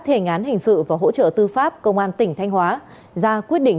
thề ngán hình sự và hỗ trợ tư pháp công an tỉnh thanh hóa ra quyết định